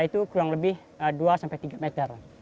itu kurang lebih dua sampai tiga meter